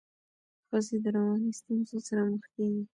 ښځي د رواني ستونزو سره مخ کيږي.